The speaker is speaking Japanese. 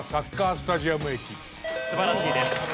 素晴らしいです。